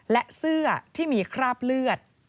และเสื้อที่มีคราบเลือด